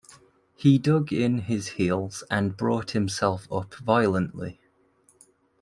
He dug in his heels and brought himself up violently.